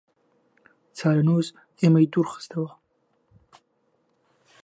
چارەنووس ئێمەی دوورخستەوە